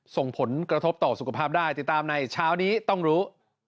ส่งผลกระทบต่อสุขภาพได้ติดตามในเช้านี้ต้องรู้